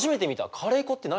カレー粉って何？